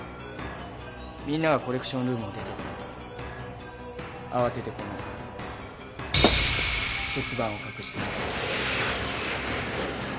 みんながコレクションルームを出て行った後慌ててこのチェス盤を隠した。